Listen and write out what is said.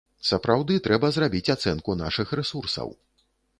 Сапраўды трэба зрабіць ацэнку нашых рэсурсаў.